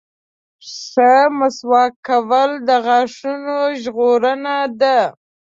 • ښه مسواک کول د غاښونو ژغورنه ده.